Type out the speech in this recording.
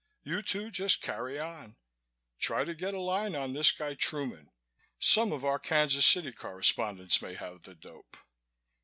You two just carry on. Try to get a line on this guy Truman. Some of our Kansas City correspondents may have the dope.